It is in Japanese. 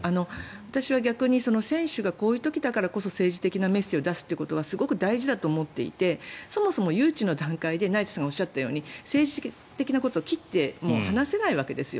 私は逆に選手がこういう時だからこそ政治的なメッセージを出すことはすごく大事だと思っていてそもそも誘致の段階で成田さんがおっしゃったように政治的なことは切って離せないわけです。